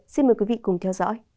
xin mời quý vị cùng theo dõi